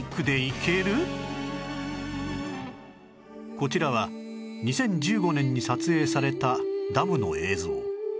こちらは２０１５年に撮影されたダムの映像